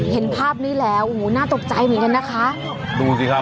เห็นภาพนี้แล้วโอ้โหน่าตกใจเหมือนกันนะคะดูสิครับ